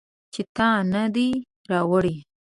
چې تا نه دي راوړي